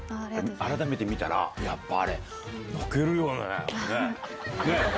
改めて見たら、やっぱあれ、泣けるよね。ね？ね？